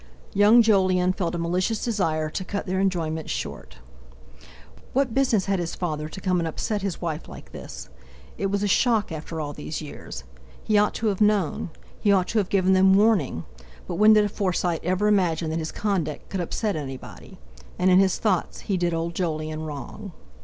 Young Jolyon felt a malicious desire to cut their enjoyment short. What business had his father to come and upset his wife like this? It was a shock, after all these years! He ought to have known; he ought to have given them warning; but when did a Forsyte ever imagine that his conduct could upset anybody! And in his thoughts he did old Jolyon wrong.